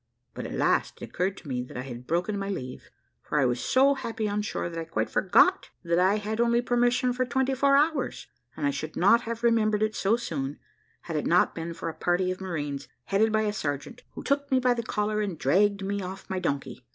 But, at last, it occurred to me that I had broken my leave, for I was so happy on shore that I quite forgot that I had only permission for twenty four hours, and I should not have remembered it so soon, had it not been for a party of marines, headed by a sergeant, who took me by the collar, and dragged me off my donkey.